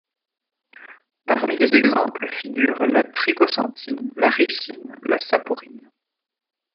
Parmi les exemples figurent la trichosanthine, la ricine, la saporine.